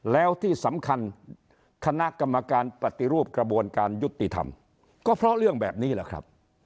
แล้วที่สำคัญคณะกรรมการปฏิรูปกระบวนการยุติธรรมก็เพราะเรื่องแบบนี้แหละครับ